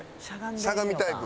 しゃがみタイプ。